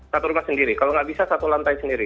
satu rumah sendiri kalau nggak bisa satu lantai sendiri